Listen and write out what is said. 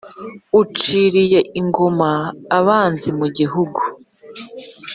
uciriye ingoma abanzi mu gihugu.